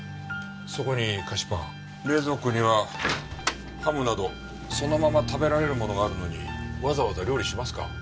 そこに菓子パン冷蔵庫にはハムなどそのまま食べられるものがあるのにわざわざ料理しますか？